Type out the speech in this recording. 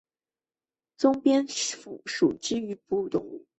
棕蝠属等之数种哺乳动物。